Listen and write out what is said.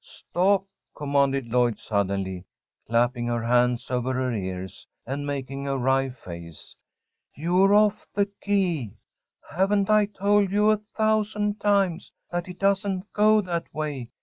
"Stop!" commanded Lloyd, suddenly, clapping her hands over her ears, and making a wry face. "You're off the key. Haven't I told you a thousand times that it doesn't go that way?